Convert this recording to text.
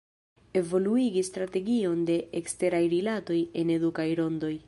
Evoluigi strategion de eksteraj rilatoj en edukaj rondoj.